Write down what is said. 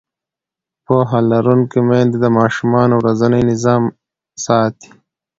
پوهه لرونکې میندې د ماشومانو ورځنی نظم ساتي.